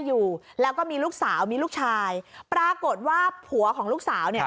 อยู่แล้วก็มีลูกสาวมีลูกชายปรากฏว่าผัวของลูกสาวเนี่ย